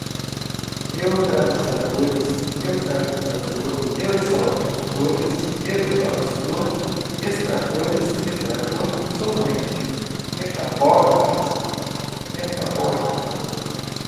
neutralizadores, neutralizador, exaustores, exaustor, extratores, extrator, solvente, metabólicas, metabólica